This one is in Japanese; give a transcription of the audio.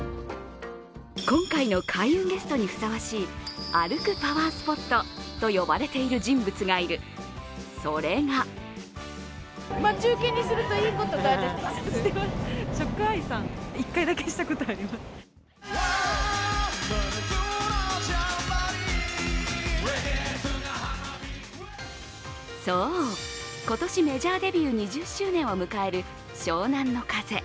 今回の開運ゲストにふさわしい、歩くパワースポットと呼ばれている人物がいる、それがそう、今年メジャーデビュー２０周年を迎える湘南乃風。